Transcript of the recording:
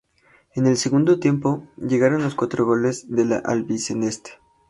En el segundo tiempo, llegaron los cuatro goles de la albiceleste.